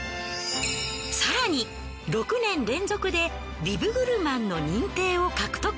更に６年連続でビブグルマンの認定を獲得。